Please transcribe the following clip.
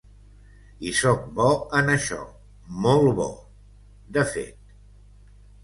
I sóc bo en això, molt bo, de fet